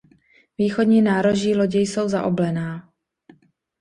Východní nároží lodi jsou zaoblená.